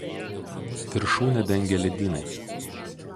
Viršūnę dengia ledynai.